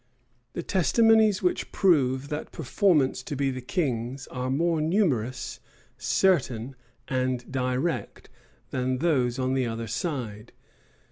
The testimonies which prove that performance to be the king's, are more numerous, certain, and direct, than those on the other side.